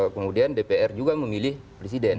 kemudian dpr juga memilih presiden